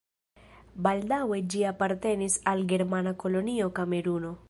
Baldaŭe ĝi apartenis al germana kolonio Kameruno.